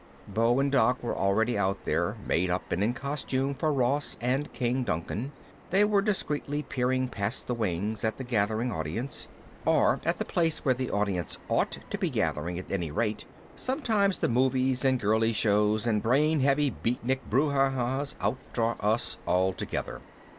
Beau and Doc were already out there, made up and in costume for Ross and King Duncan. They were discreetly peering past the wings at the gathering audience. Or at the place where the audience ought to be gathering, at any rate sometimes the movies and girlie shows and brainheavy beatnik bruhahas outdraw us altogether.